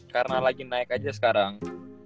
karena lagi naik aja sekarang